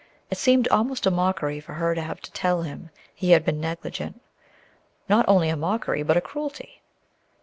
It seemed almost a mockery for her to have to tell him he had been negligent, not only a mockery, but a cruelty.